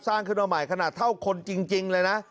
สร้างขึ้นมาใหม่ขนาดเท่าคนจริงเลยนะ